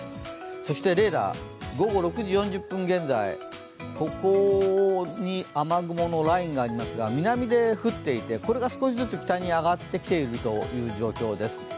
そしてレーダー、午後６時４０分現在ここに雨雲のラインがありますが南で降っていて、これが少しずつ北に上がってきている状況です。